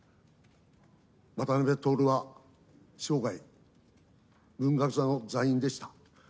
渡辺徹は生涯、文学座の座員でした。